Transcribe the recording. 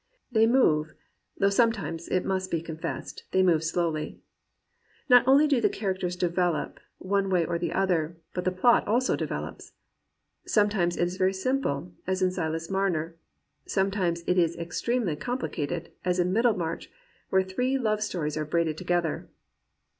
They move; though sometimes, it must be confessed, they move slowly. Not only do the characters develop, one way or the other, but the plot also develops. Sometimes it is very simple, as in Silas Mamer; sometimes it is extremely com plicated, as in Middlemarcky where three love stories are braided together.